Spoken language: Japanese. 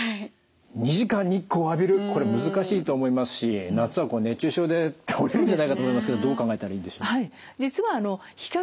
２時間日光を浴びるこれ難しいと思いますし夏は熱中症で倒れるんじゃないかと思いますけどどう考えたらいいんでしょう。